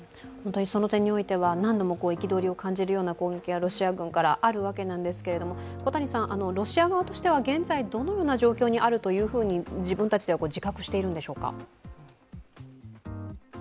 その点においては何度も憤りを感じるような攻撃がロシア軍からあるわけなんですけれども、ロシア側としては、現在、どのような状況にあると自分たちでは自覚しているんでしょうか。